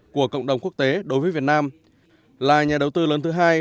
của cộng đồng quốc tế đối với việt nam là nhà đầu tư lớn thứ hai